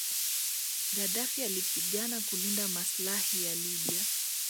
Gadaffi alipigana kulinda maslahi ya Libya